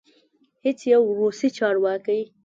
هیڅ یو روسي چارواکی